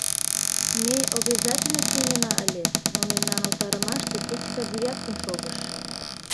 — Ме обязательно сеҥена ыле, но мемнам утарымаште Петька Девяткин шогыш.